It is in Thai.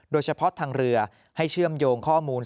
โดยเฉพาะทางเรือให้เชื่อมโยงข้อมูล